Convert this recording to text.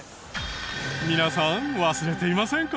皆さん忘れていませんか？